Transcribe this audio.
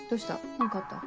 何かあった？